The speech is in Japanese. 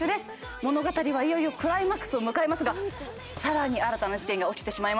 物語はいよいよクライマックスを迎えますが更に新たな事件が起きてしまいます。